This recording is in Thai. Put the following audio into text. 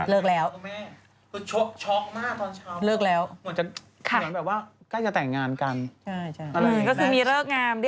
อืมนะคะเริกแล้วพี่แม่